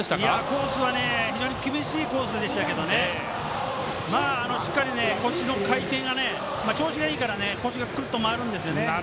コースは非常に厳しいコースでしたけどしっかり腰の回転が調子がいいからね腰がくるっと回るんですよね。